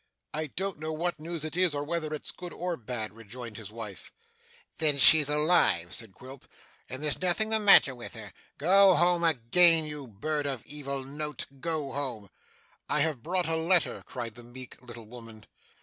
'I don't know what news it is, or whether it's good or bad,' rejoined his wife. 'Then she's alive,' said Quilp, 'and there's nothing the matter with her. Go home again, you bird of evil note, go home!' 'I have brought a letter,' cried the meek little woman.